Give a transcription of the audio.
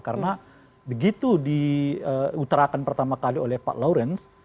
karena begitu diuterakan pertama kali oleh pak lawrence